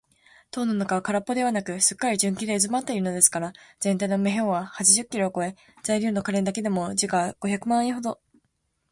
塔の中はからっぽではなく、すっかり純金でうずまっているのですから、ぜんたいの目方は八十キロをこえ、材料の金だけでも時価五百万円ほど